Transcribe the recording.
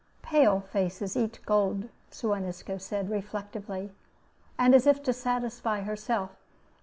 "Palefaces eat gold," Suan Isco said, reflectively, and as if to satisfy herself.